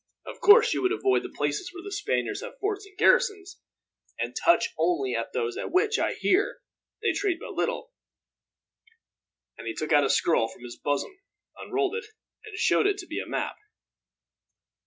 Of course she would avoid the places where the Spaniards have forts and garrisons, and touch only at those at which, I hear, they trade but little;" and he took out a scroll from his bosom, unrolled it, and showed it to be a map.